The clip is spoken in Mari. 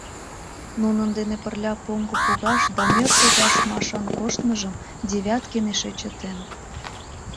Нунын дене пырля поҥго погаш да мӧр погаш Машан коштмыжым Девяткин эше чытен.